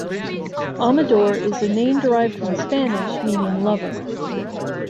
Amador is a name derived from Spanish meaning "lover".